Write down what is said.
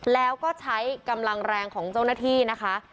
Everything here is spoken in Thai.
แล้วก็ใช้กำลังแรงของเจ้าหน้าที่นะคะ